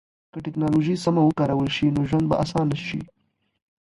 که ټکنالوژي سمه وکارول سي نو ژوند به اسانه سي.